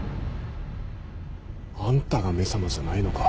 あんたが「め様」じゃないのか？